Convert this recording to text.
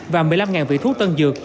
và một mươi năm vị thuốc tân dược